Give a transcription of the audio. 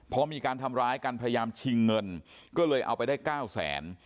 พอมีการทำร้ายกันพยายามชิงเงินก็เลยเอาไปได้๙แสน